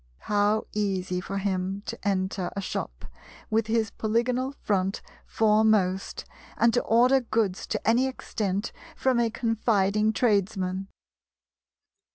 How easy for him to enter a shop with his polygonal front foremost, and to order goods to any extent from a confiding tradesman!